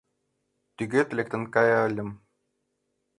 Тӱгет лектын каяльым.